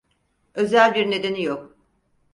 Özel bir nedeni yok.